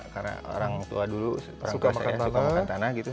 karena orang tua dulu suka makan tanah gitu